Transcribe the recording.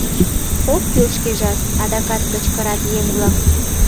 — Ок кӱл шкежат! — адакат кычкырат еҥ-влак.